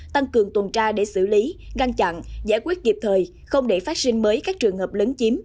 tăng cường tuần tra để xử lý ngăn chặn giải quyết kịp thời không để phát sinh mới các trường hợp lớn chiếm